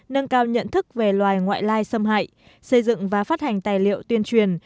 nâng cao nhận thức về loài ngoại lai xâm hại xây dựng và phát hành tài liệu tuyên truyền